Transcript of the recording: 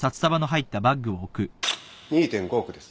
２．５億です。